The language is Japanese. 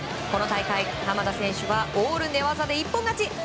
この大会、濱田選手はオール寝技で一本勝ち。